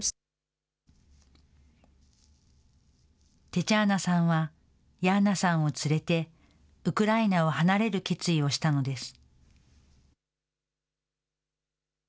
テチャーナさんは、ヤーナさんを連れて、ウクライナを離れる決意をしたのです。